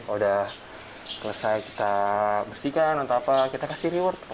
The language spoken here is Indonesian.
udah selesai kita bersihkan atau apa kita kasih reward